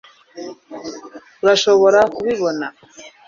urashobora kubibona